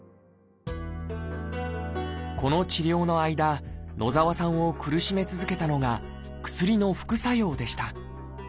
この治療の間野澤さんを苦しめ続けたのが薬の副作用でした。